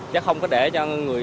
chứ không có để cho người